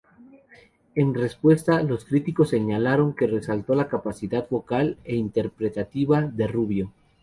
En respuesta, los críticos señalaron que resaltó la capacidad vocal e interpretativa de Rubio.